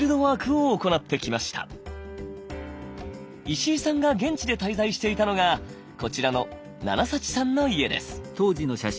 石井さんが現地で滞在していたのがこちらのナナ・サチさんの家です。